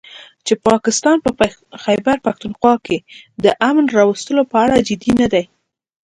چې پاکستان په خيبرپښتونخوا کې د امن راوستلو په اړه جدي نه دی